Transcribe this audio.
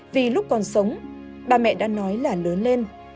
vì lúc còn sống ba mẹ đã nói là lớn lên dáng học hành đầy đủ để có việc làm